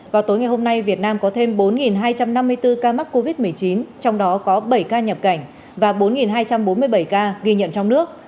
vào tối ngày hôm nay việt nam có thêm bốn hai trăm năm mươi bốn ca mắc covid một mươi chín trong đó có bảy ca nhập cảnh và bốn hai trăm bốn mươi bảy ca ghi nhận trong nước